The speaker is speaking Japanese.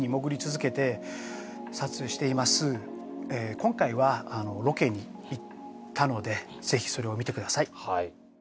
今回はロケに行ったのでぜひそれを見てください